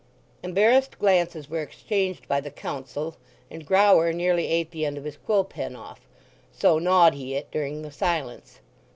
Embarrassed glances were exchanged by the Council and Grower nearly ate the end of his quill pen off, so gnawed he it during the silence.